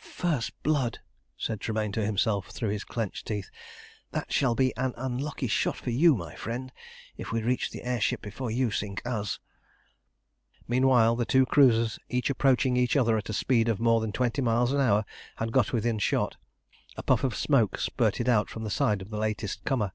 "First blood!" said Tremayne to himself through his clenched teeth. "That shall be an unlucky shot for you, my friend, if we reach the air ship before you sink us." Meanwhile the two cruisers, each approaching the other at a speed of more than twenty miles an hour, had got within shot. A puff of smoke spurted out from the side of the latest comer.